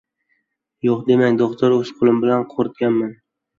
— Yo‘q demang, do‘xtir. O‘z qo‘lim bilan quritganman.